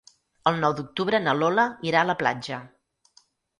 El nou d'octubre na Lola irà a la platja.